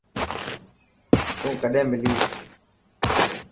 تون ڪڏين مليس.